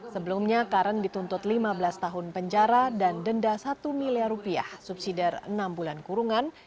sebelumnya karen dituntut lima belas tahun penjara dan denda satu miliar rupiah subsidi enam bulan kurungan